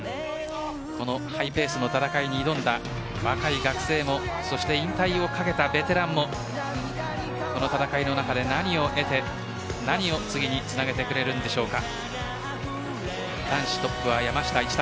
このハイペースの戦いに挑んだ若い学生も引退をかけたベテランも戦いの中で何を得て何を次につなげてくれるんでしょうか。